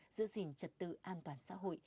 giữ gìn trật tự an toàn xã hội